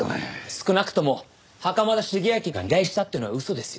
少なくとも袴田茂昭が依頼したっていうのは嘘ですよ。